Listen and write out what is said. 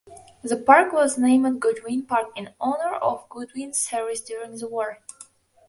The park was named Goodwin Park in honor of Goodwin's service during the war.